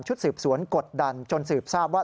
สืบสวนกดดันจนสืบทราบว่า